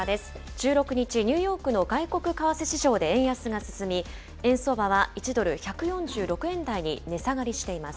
１６日、ニューヨークの外国為替市場で円安が進み、円相場は１ドル１４６円台に値下がりしています。